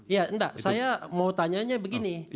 ya enggak saya mau tanyanya begini